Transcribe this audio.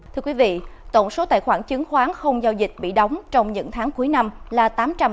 thưa quý vị tổng số tài khoản chứng khoán không giao dịch bị đóng trong những tháng cuối năm là tám trăm tám mươi